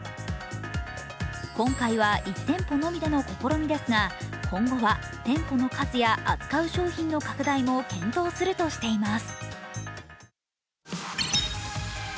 今回は１店舗のみでの試みですが今後は店舗の数や扱う商品の拡大も検討するとしています。